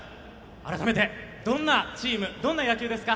改めて、どんなチームどんな野球ですか？